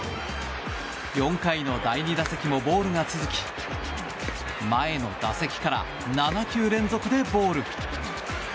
４回の第２打席もボールが続き前の打席から７球連続でボール。